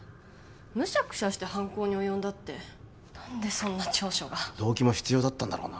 「ムシャクシャして犯行に及んだ」って何でそんな調書が動機も必要だったんだろうな